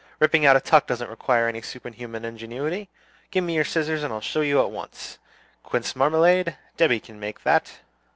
Ripping out a tuck doesn't require any superhuman ingenuity! Give me your scissors, and I'll show you at once. Quince marmalade? Debby can make that.